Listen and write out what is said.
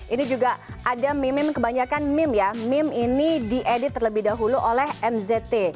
ini juga ada meme meme kebanyakan meme ya meme ini diedit terlebih dahulu oleh mz